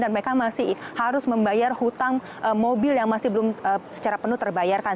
dan mereka masih harus membayar hutang mobil yang masih belum secara penuh terbayarkan